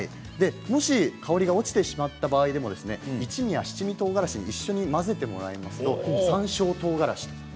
もし香りが落ちてしまった場合でも一味や、七味とうがらしと一緒に混ぜてもらいますと山椒とうがらし。